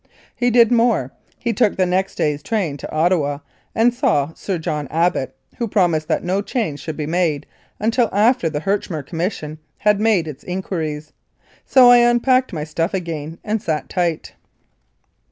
He did more : he took the next day's train to Ottawa and saw Sir John Abbott, who promised that no change should be made until after the Herchmer Commission had made its inquiries. So I unpacked my stuff again and "sat tight."